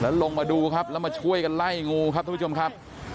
แล้วลงมาดูแล้วช่วยกันไล่งูครับทุกผู้ชมครับ